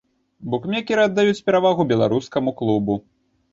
Букмекеры аддаюць перавагу беларускаму клубу.